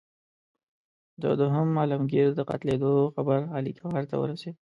د دوهم عالمګیر د قتلېدلو خبر علي ګوهر ته ورسېد.